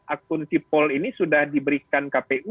akun sipol ini sudah diberikan kpu